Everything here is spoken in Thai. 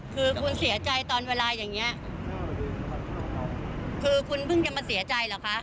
คือคุณเสียใจตอนเวลาอย่างเงี้ยคือคุณเพิ่งจะมาเสียใจเหรอคะ